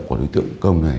của đối tượng công này